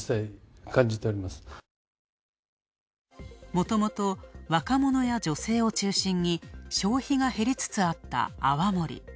もともと、若者や女性を中心に消費が減りつつあった泡盛。